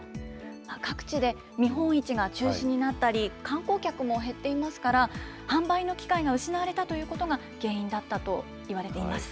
各地で見本市が中止になったり、観光客も減っていますから、販売の機会が失われたということが原因だったといわれています。